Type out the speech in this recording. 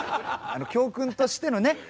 教訓としてのね